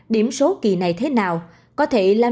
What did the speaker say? điểm số kỳ này thế nào